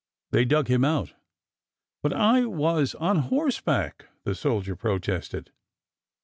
They dug him out. "But I was on horseback," the soldier protested.